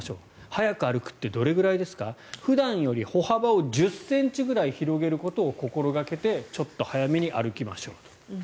速く歩くってどれくらいですか普段より歩幅を１０ｃｍくらい広げることを心掛けてちょっと速めに歩きましょう。